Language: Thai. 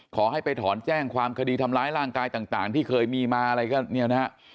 ขอให้ไปถอนแจ้งความคดีทำร้ายร่างกายต่างที่เคยมีมาอะไรก็เนี่ยนะฮะ